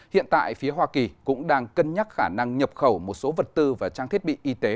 hiện tại phía hoa kỳ cũng đang cân nhắc khả năng nhập khẩu một số vật tư và trang thiết bị y tế